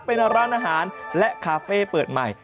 เป็นร้านอาหารและคาเฟ่เปิดใหม่